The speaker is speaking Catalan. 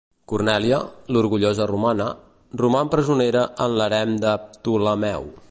Cornèlia, l'orgullosa romana, roman presonera en l'harem de Ptolemeu.